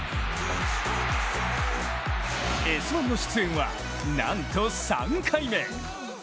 「Ｓ☆１」の出演はなんと３回目。